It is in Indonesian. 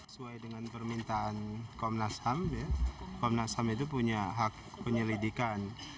sesuai dengan permintaan komnas ham komnas ham itu punya hak penyelidikan